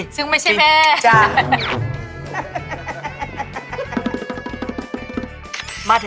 ซึ่งไม่ใช่แม่